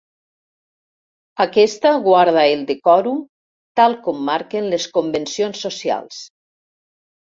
Aquesta guarda el decòrum, tal com marquen les convencions socials.